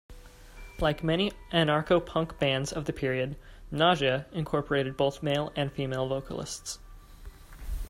Like many anarcho-punk bands of the period, Nausea incorporated both male and female vocalists.